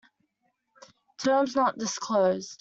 Terms not disclosed.